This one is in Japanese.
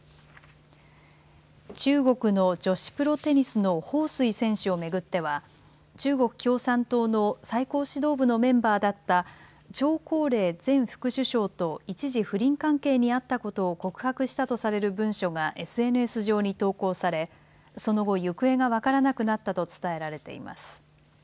中国の女子プロテニスの彭帥選手を巡っては中国共産党の最高指導部のメンバーだった張高麗前副首相と一時不倫関係にあったことを告白したとされる文書がＳＮＳ上に投稿されその後、行方が分からなくなったと伝えられています。